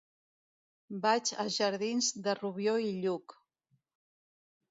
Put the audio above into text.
Vaig als jardins de Rubió i Lluch.